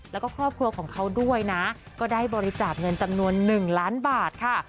แล้วก็ครอบครัวของเขาด้วยนะก็ได้บริจาคเงินจำนวน๑ล้านบาทค่ะ